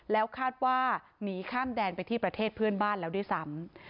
แล้วคาดว่าหนีข้ามแดนไปที่ประเทศเพื่อนบ้านแล้วด้วยซ้ำ